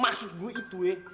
maksud gue itu ya